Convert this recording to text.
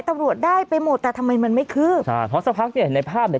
ตำรวจได้ไปหมดแต่ทำไมมันไม่คืบใช่เพราะสักพักเนี่ยเห็นในภาพเนี่ย